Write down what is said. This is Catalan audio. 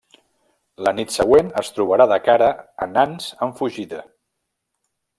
La nit següent es trobarà de cara a nans en fugida.